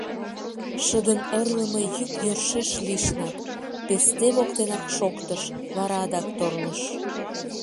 Шыдын ырлыме йӱк йӧршеш лишнак, песте воктенак шоктыш, вара адак торлыш.